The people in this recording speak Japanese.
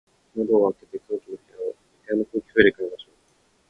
窓を開けて、部屋の空気を入れ替えましょう。